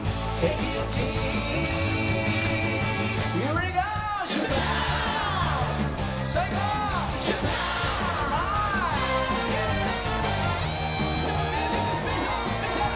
「ミュージックステーション」スペシャル！